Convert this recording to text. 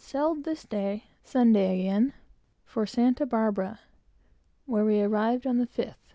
Sailed this day, (Sunday again,) for Santa Barbara, where we arrived on the 5th.